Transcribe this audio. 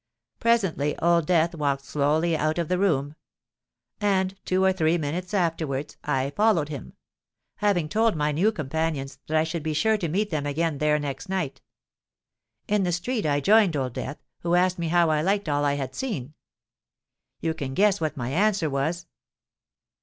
Presently Old Death walked slowly out of the room; and two or three minutes afterwards I followed him, having told my new companions that I should be sure to meet them again there next night. In the street I joined Old Death, who asked me how I liked all I had seen? You can guess what my answer was.